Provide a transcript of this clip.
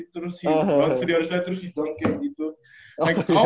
terus he dunk ke di other side terus he dunk kayak gitu